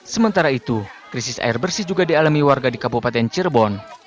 sementara itu krisis air bersih juga dialami warga di kabupaten cirebon